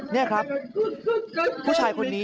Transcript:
นี่ครับผู้ชายคนนี้